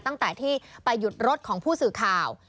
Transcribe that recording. ตั้งแต่ที่ไปหยุดรถของผู้สื่อข่าว